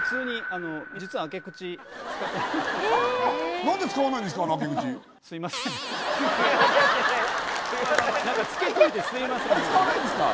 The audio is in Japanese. あれ使わないんですか